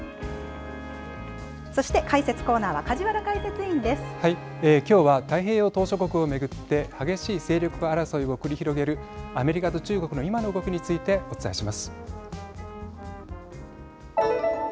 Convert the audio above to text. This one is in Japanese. そして解説コーナーはきょうは太平洋島しょ国を巡って激しい勢力争いを繰り広げるアメリカと中国の今の動きについてお伝えします。